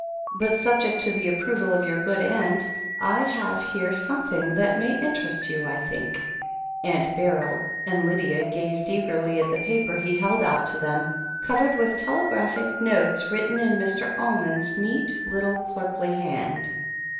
"But subject to the approval of your good aunt, I have here some thing that may interest you, I think." Aunt Beryl and Lydia gazed eagerly at the paper he held out to them, covered with telegraphic notes written in Mr. Almond's neat little clerkly hand.